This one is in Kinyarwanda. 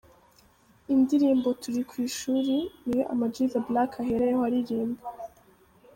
Indirimbo ’Turi ku ishuri’ niyo Amag The Black ahereyeho aririmba.